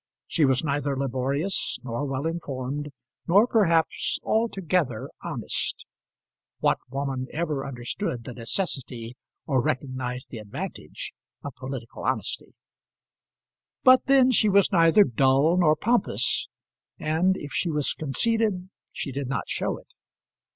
She was neither laborious, nor well informed, nor perhaps altogether honest what woman ever understood the necessity or recognized the advantage of political honesty? but then she was neither dull nor pompous, and if she was conceited, she did not show it.